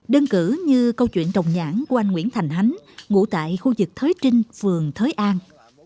đơn cử như câu chuyện trồng nhãn của anh nguyễn thành hắn ngụ tại khu vực thới trinh phường thới an